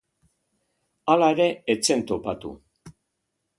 Hala ere, ez zen topatu.